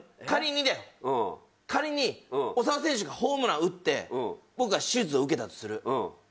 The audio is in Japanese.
仮に長田選手がホームランを打って僕が手術を受けたとする。